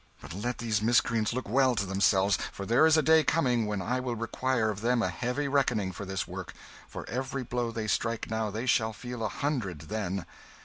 But let these miscreants look well to themselves, for there is a day coming when I will require of them a heavy reckoning for this work. For every blow they strike now, they shall feel a hundred then."